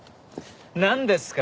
なんですか？